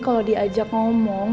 kalo diajak ngomong